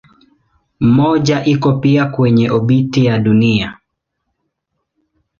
Mmoja iko pia kwenye obiti ya Dunia.